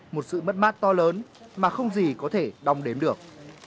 một sự mất mát to lớn mà không gì có thể đong đếm được